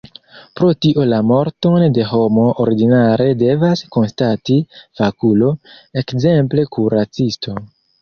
Pro tio la morton de homo ordinare devas konstati fakulo, ekzemple kuracisto.